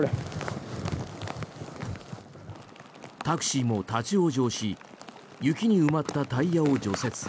タクシーも立ち往生し雪に埋まったタイヤを除雪。